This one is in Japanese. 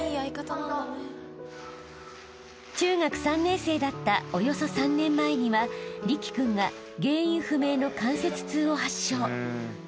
［中学３年生だったおよそ３年前には凜葵君が原因不明の関節痛を発症］